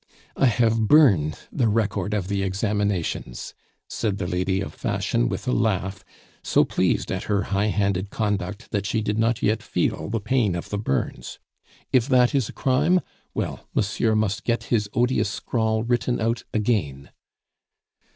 "I have burned the record of the examinations," said the lady of fashion with a laugh, so pleased at her high handed conduct that she did not yet feel the pain of the burns, "If that is a crime well, monsieur must get his odious scrawl written out again."